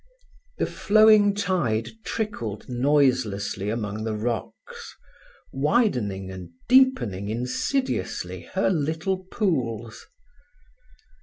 The flowing tide trickled noiselessly among the rocks, widening and deepening insidiously her little pools.